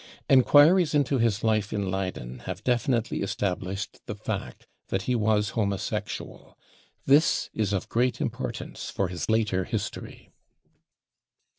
Enquiries into his life in Leyden have definitely estab lished the fact that he was homosexual. This is of great* importance for his later history.